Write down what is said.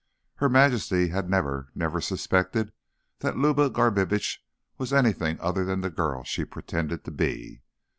Her Majesty had never, never suspected that Luba Garbitsch was anything other than the girl she pretended to be.